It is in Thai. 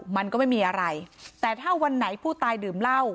มันก็ไม่มีอะไรแต่ถ้าวันไหนผู้ตายดื่มเหล้า